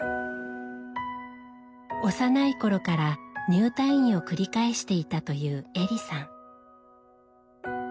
幼い頃から入退院を繰り返していたというエリさん。